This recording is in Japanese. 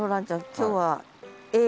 今日はええ